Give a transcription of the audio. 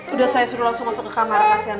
udah saya suruh langsung masuk ke kamar pasien